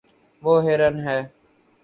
وہ ہرن ہے